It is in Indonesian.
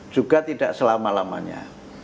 juga tidak selama lamanya